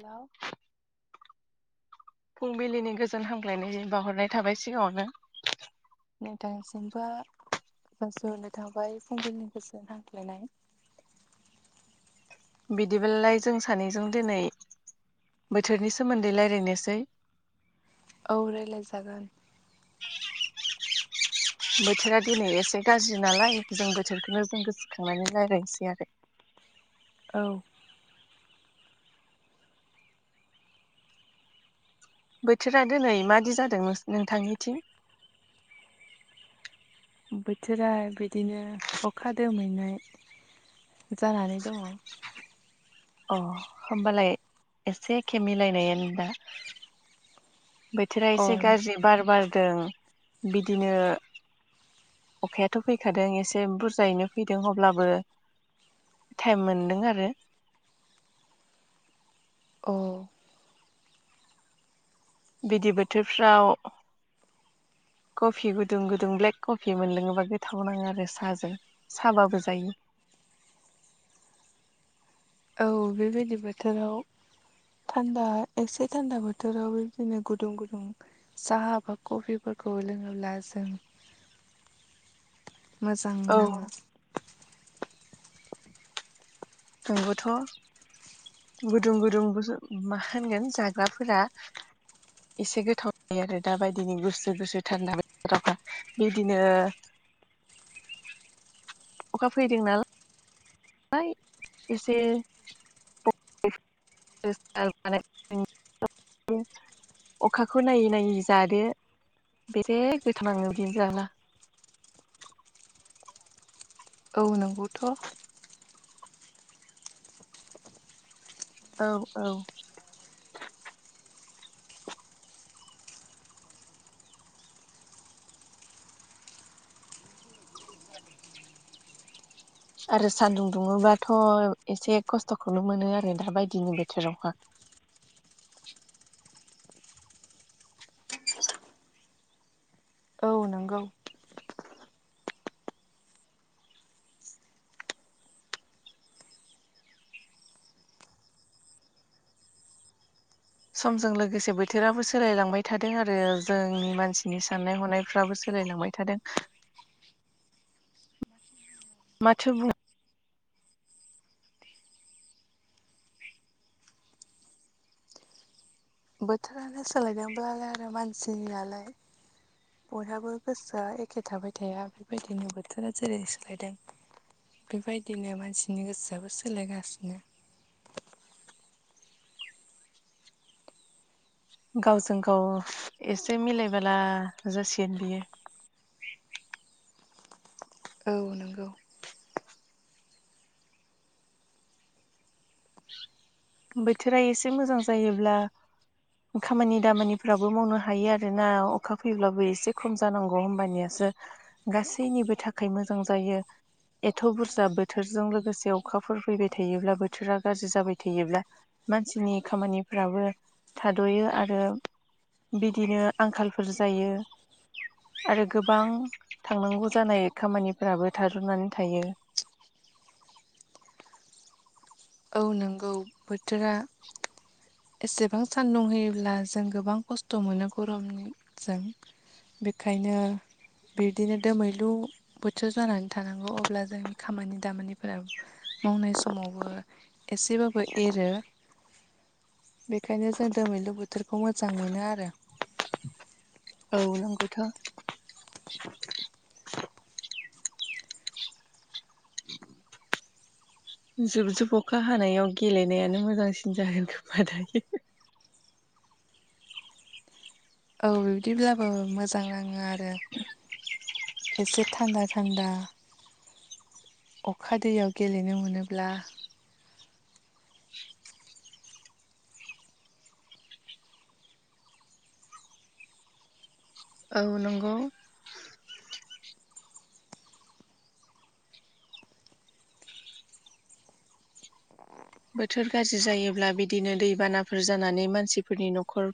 Hello फुंबिलिनि गोजोन हामग्लायनाय बावहरनाय थाबाय सिगाङावनो नोंथांसिमबो बनो [unintelligible] थांबाय फंबिलनिफ्रायसो हांख्लायनाय बिदिब्लालाय जों सानैजों दिनै बोथोरनि सोमोन्दै रायलायनोसै औ रायलाय जागोन। बोथोरा दिनै एसे गाज्रि नालाय जों बोथोरखौनो जों गोसोखांनानै रायलायनोसै आरो। [inaudible] औ बोथोरा दिनै मादि जादों नोंथांनिथिं? बोथोरा बिदिनो अखा दोमैनाय। जानानै दङ। अ होमबालाय एसे एखे मिलायनायानो दा। बोथोरा एसे अन गाज्रि बार बारदों बिदिनो अखायाथ' फैखादों एसे बुरजायैनो फैदों अब्लाबो टाइम मोनदों आरो। अ बिदि बोथोरफ्राव कफि गुदुं गुदुं ब्लेक कफि मोनलोङोबा गोथाव नाङो आरो साहजों साबाबो जायो। [inaudible] औ बेबायदि बोथोराव थान्दा एक्से थान्दा बोथोराव बिदिनो गुदुं गुदुं साहा बा कफि फोरखौ लोङोब्ला जों [inaudible] मोजां औ नाङो। नंगौथ' गुदुं गुदुं मा होनगोन जाग्राफोरा एसे गोथाव जायो आरो दाबायदिनो गुसु गुसु थानदा बोथोराव बिदिनो ओ अखा फैदों ना लाय एसे [unintelligible] अखाखौ नायै नायै जादो। बेसे गोथाव नाङो बिदिनो जाबा। औ नोंगौथ'। औ औ आरो सान्दुं दुङोबाथ' एसे खस्थ'खौनो मोनो आरो दा बायदिनि बोथोरावहा। [inaudible] औ नंगौ समजों लोगोसे बोथोराबो सोलायलांबाय थादों आरो जोंनि मानसिनि साननाय हनायफ्राबो सोलाय लांबाय थादों माथो बुंनो बोथोरानो सोलायदोंब्लालाय आरो मानसिनियालाय बयहाबो गोसोआ एखे थाबाय थाया बेबायदिनो बोथोरा जेरै सोलायदों बेबायदिनो मानसिनि गोसोआबो सोलायगासिनो। गावजों गाव एसे मिलायबोला जासिगोन बियो। [inaudible] औ नंगौ बोथोरा एसे मोजां जायोब्ला खामानि दामानिफ्राबो मावनो हायो आरोना अखा फैब्लाबो एसे खम जानांगौ होमबानिया गासैनिबो थाखाय मोजां जायो। एथ' बुरजा बोथोरजों लोगोसे अखाफोर फैबाय थायोब्ला बोथोरा गाज्रि जाबाय थायोब्ला मानसिनि खामानिफ्राबो थाद'यो आरो बिदिनो आंखालफोर जायो। आरो गोबां थांनांगौ जानाय खामानिफोराबो थादननानै थायो। [inaudible] औ नंगौ बोथोरा एसेबां सान्दुं होयोब्ला जों गोबां खस्थ' मोनो गरमजों। बेखायनो बिदिनो दोमैलु बोथोर जानानै थानांगौ अब्ला जोंनि खामानि दामानिफोरा मावनाय समावबो एसेबाबो एरो। बेखायनो जों दोमैलु बोथोरखौ मोजां मोनो आरो। औ नंगौथ' जुबजुब अखा हानायाव गेलेनायानो मोजांसिन जागोन खोमा दायो। औ बिबदिब्लाबो मोजां नाङो आरो। एसे थान्दा थान्दा अखा दैयाव गेलेनो मोनोब्ला औ नंगौ बोथोर गाज्रि जायोब्ला बिदिनो दैबानाफोर जानानै मानसिफोरनि न'खर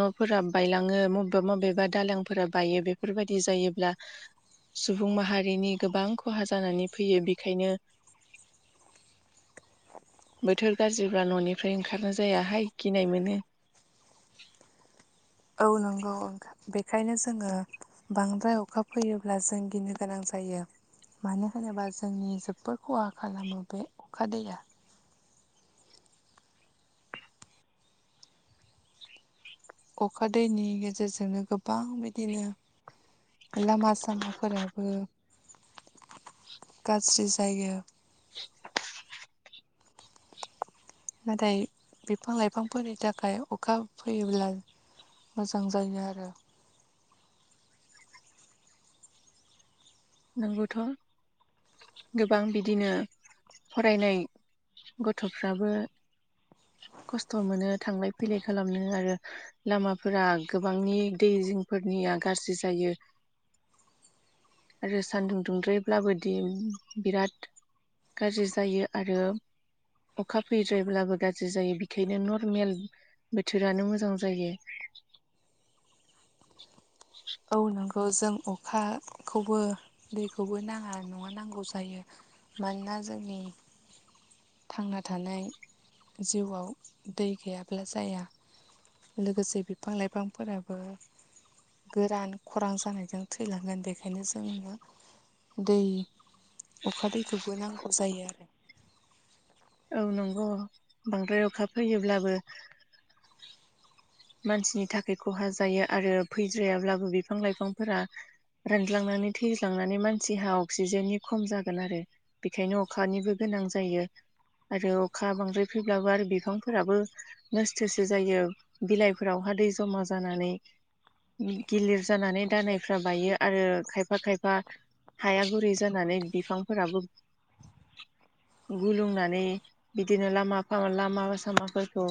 न'फोरा रां बायलाङो मबेबा मबेबा दालांफोरा बायो बेफोरबायदि जायोब्ला सुबुं माहारिनि गोबां खहा जानानै फैयो। बेखायनो [inaudible] बोथोर गाज्रिब्ला न'निफ्राय ओंखारनाय जायाहाय गिनाय मोनो। [inaudible] औ नंगौ ओं बेखायनो जोङो बांद्राय अखा फैयोब्ला जों गिनो गोनां जायो। यो मानो होनोबा जोंनि जोबोद खहा खालामो बे अखा दैैया अखा दैनि गेजेरजोंनो गोबां बिदिनो लामा सामाफोराबो गाज्रि जायो। नाथाय बिफां लाइफांफोरनि थाखाय अखा फैयोब्ला मोजां जायो आरो। नंगौथ' गोबां बिदिनो फरायनाय गथ'फ्राबो खस्थ' मोनो थांलाय फैलाय खालामनो आरो लामाफोरा गोबांनि दै जिंफोरनि या गारजि जायो‌। आरो सान्दुं दुंद्रायब्लाबोदि बिराद गाज्रि जायो आरो। अखा फैद्रायब्लाबो गाज्रि जायो। बेखायनो नर्मेल बोथोरानो मोजां जायो। औ नोंगौ जों अखाखौबो दैखौबो नाङा नङा नांगौ जायो। मानोना जोंनि थांना थानाय जिउआव दै गैयाब्ला जाया। लोगोसे बिफां लाइफांफोराबो गोरान खरां जानायजों थैलांगोन। बेखायनो जोङो दै अखा दैखौबो नांगौ जायो आरो। औ नंगौ बांद्राय अखा फैयोब्लाबो मानसिनि थाखाय खहा जायो आरो फैद्रायाब्लाबो बिफां लाइफांफोरा रानज्लांनानै थैज्लांनानै मानसिहा अक्सिजेननि खम जागोन आरो बेखायनो अखानिबो गोन गोनां जायो आरो अखा बांद्राय फैब्लाबो आरो बिफांफोराबो नोस्थोसो जायो। बिलाइफोरावहा दै जमा जानानै गिलिर जानानै दालायफ्रा बायो आरो खायफा खायफा हाया गुरै जानानै बिफांफोराबो गुलुंनानै बिदिनो लामा लामा सामाफोरखौ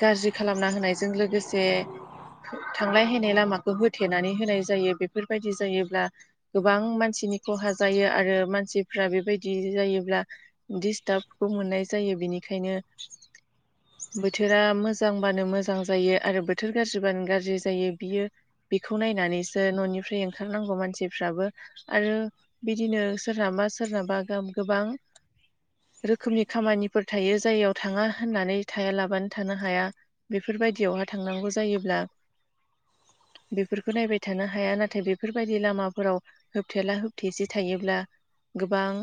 गाज्रि खालामना होनायजों लोगोसे थांलाय हैनालाय लामाखौ होथेनानै होनाय जायो। बेफोरबायदि जायोब्ला गोबां मानसि खहा जायो आरो मानसिफ्रा बेबायदि जायोब्ला स्टार्बखौ मोननाय जायो। बेनिखायनो बोथोरा मोजांबानो मोजां जायो आरो बोथोर गाज्रिबानो गाज्रि जायो बियो बेखौ नायनानै सो न'निफ्राय ओंखारनांगौ मानसिफ्राबो आरो बिदिनो सोरनाबा सोरनाबा गोबां रोखोमनि खामानिफोर थायो जायाव थाङा होननानै थायालाबानो थानो हाया बेफोरबायदियावहा थांनांगौ जायोब्ला बेफोरखौ नायबाय थानो हाया नाथाय बेफोरबायदि लामाफोराव होबथेला होबथेसि थायोब्ला गोबां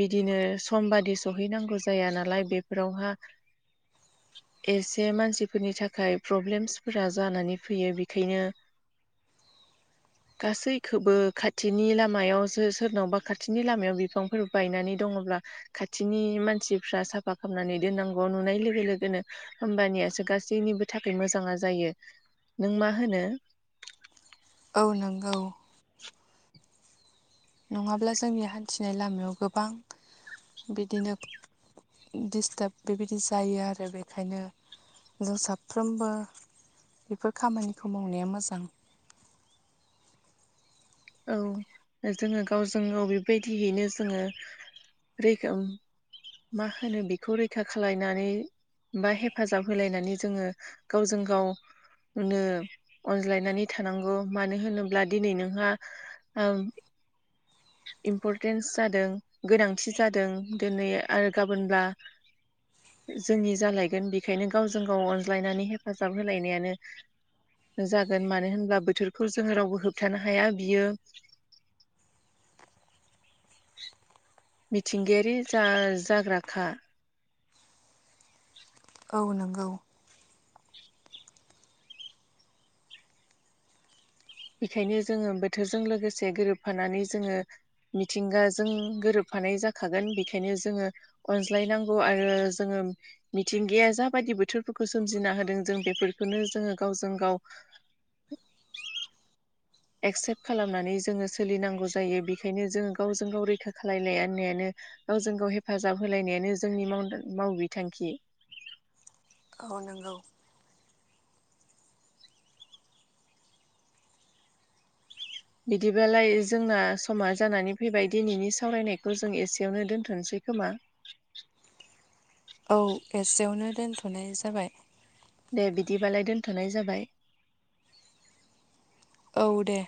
बिदिनो समबादि सहैनांगौ जाया नालाय बेफोरावहा एसे मानसिफोरनि थाखाय प्रब्लेमसफोरा जानानै फैयो बेखायनो [inaudible] गासैखौबो खाथिनि लामायावसो सोरनावबा खाथिनि लामायाव बिफांफोर बायनानै दङ अब्ला खाथिनि मानसिफ्रा साफा खालामनानै दोननांगौ नुनाय लोगो लोगोनो होमबानियासो गासैनिबो थाखाय मोजाङा जायो नों मा होनो? [inaudible] औ नंगौ नङाब्ला जोंनि हान्थिनाय लामायाव गोबां बिदिनो दिस्टाब बेबायदि जायो आरो बेखायनो जों साफ्रोमबो बेफोर खामानिखौ मावनाया मोजां औ जोङो गावजों गाव बेबायदियैनो जोङो रैगोम मा होनो बेखौ रैखा खालायनानै बा हेफाजाब होलायनानै जोङो गावजों गाव नो अनज्लायनानै थानांगौ मानो होनोब्ला दिनै नोंहा ओं इम्परटेन्स जादों गोनांथि जादों दिनै आरो गाबोनब्ला जोंनि जालायगोन बेखायनो गावजों गाव अनज्लायनानै हेफाजाब होलायनायानो जागोन मानो होनब्ला बोथोरखौ जोङो रावबो होबथानो हाया बियो मिथिंगायारि जाग्राखा औ नोंगौ बेखायनो जोंङो बोथोरजों लोगोसे गोरोबफानानै जोंङो मिथिंगाजों गोरोबफानाय जाखागोन बेखायनो जोंङो अनज्लायनांगौ आरो जोंङो मिथिंगाया जाबायदि बोथोरफोरखौ सोमजिना होदों जों बेफोरखौनो जोंङो गावजों गाव [inaudible] एक्सेप्ट खालामनानै जोंङो सोलिनांगौ जायो बेखायनो जोंङो गावजों गाव रैखा खालामायनायनायानो गावजों गाव हेफाजाब होलायनायानो जोंनि माव बिथांखि औ नंगौ बिदिबालाय जोंना समा जानानै फैबाय दिनैनि सावरायनायखौ जों एसेयावनो दोनथ'सै खोमा औ एसेयावनो दोनथ'नाय जाबाय दे बिदिबालाय दोनथ'नाय जाबाय औ दे